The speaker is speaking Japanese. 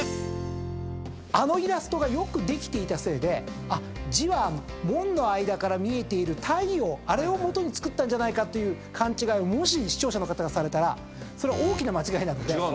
あのイラストがよくできていたせいで字は門の間から見えている太陽あれを基に作ったんじゃないかという勘違いもし視聴者の方されたらそれは。